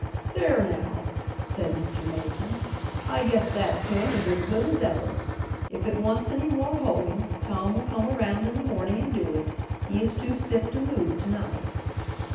"There now," said Mr. Mason, "I guess that corn is as good as ever. If it wants any more hoeing Tom will come around in the morning and do it. He is too stiff to move to night."